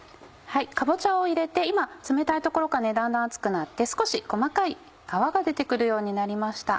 かぼちゃを入れて今冷たいところからだんだん熱くなって少し細かい泡が出て来るようになりました。